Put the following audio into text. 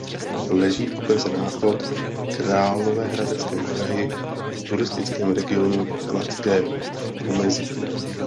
Leží v okrese Náchod v Královéhradeckém kraji v turistickém regionu Kladské pomezí.